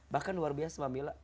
bahkan luar biasa bami allah